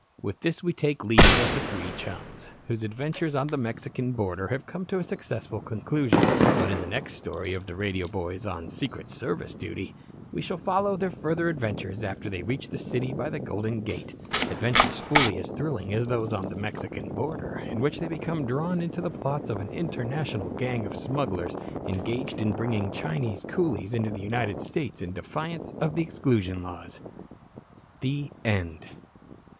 With this we take leave of the three chums, whose adventures on the Mexican border have come to so successful a conclusion. But in the next story of "The Radio Boys on Secret Service Duty" we shall follow their further adventures after they reach the city by the Golden Gate adventures fully as thrilling as those on the Mexican border, in which they become drawn into the plots of an international gang of smugglers engaged in bringing Chinese coolies into the United States in defiance of the Exclusion Laws. THE END.